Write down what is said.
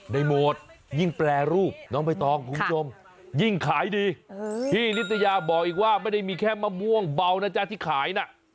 โหมดยิ่งแปรรูปน้องใบตองคุณผู้ชมยิ่งขายดีพี่นิตยาบอกอีกว่าไม่ได้มีแค่มะม่วงเบานะจ๊ะที่ขายน่ะ